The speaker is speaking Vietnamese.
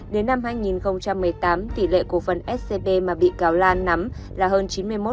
đến năm hai nghìn một mươi tám tỷ lệ cổ phần scb mà bị cáo lan nắm là hơn chín mươi một